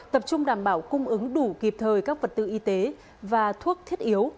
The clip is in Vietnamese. tập trung đảm bảo cung ứng đủ kịp thời các vật tư y tế và thuốc thiết yếu